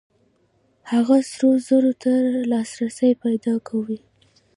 هغه سرو زرو ته لاسرسی پیدا کوي.